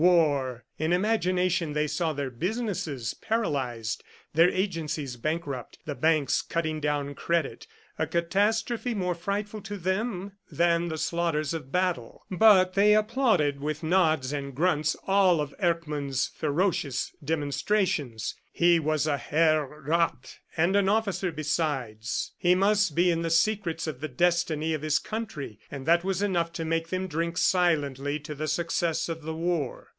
War! ... In imagination they saw their business paralyzed, their agencies bankrupt, the banks cutting down credit ... a catastrophe more frightful to them than the slaughters of battles. But they applauded with nods and grunts all of Erckmann's ferocious demonstrations. He was a Herr Rath, and an officer besides. He must be in the secrets of the destiny of his country, and that was enough to make them drink silently to the success of the war.